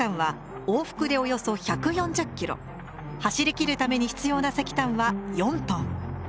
走りきるために必要な石炭は４トン。